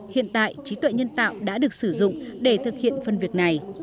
hiện tại trí tuệ nhân tạo đã được sử dụng để thực hiện phân việc này